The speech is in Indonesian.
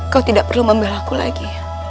kau tidak perlu membela aku lagi